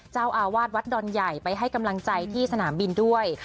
เจ้าอาวาสวัดดอนใหญ่ไปให้กำลังใจที่สนามบินด้วย